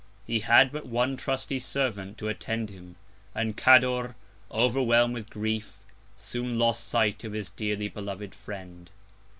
He had but one trusty Servant to attend him, and Cador, overwhelm'd with Grief, soon lost Sight of his dearly beloved Friend.